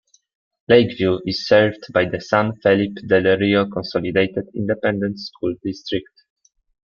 Lake View is served by the San Felipe Del Rio Consolidated Independent School District.